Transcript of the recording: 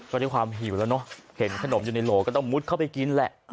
ก็ด้วยความหิวแล้วเนอะเห็นขนมอยู่ในโหลก็ต้องมุดเข้าไปกินแหละ